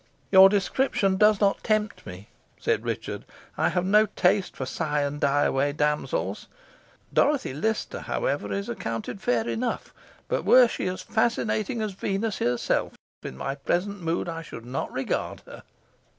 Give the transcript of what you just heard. "Your description does not tempt me," said Richard; "I have no taste for sigh and die away damsels. Dorothy Lister, however, is accounted fair enough; but, were she fascinating as Venus herself, in my present mood I should not regard her."